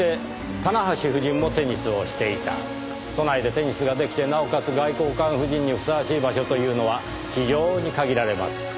都内でテニスが出来てなおかつ外交官夫人にふさわしい場所というのは非常に限られます。